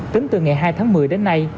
tính từ ngày hai tháng một mươi đến nay